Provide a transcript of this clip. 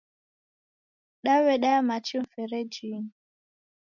Daw'edaya machi mferejinyi